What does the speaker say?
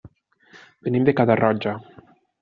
Venim de Catarroja.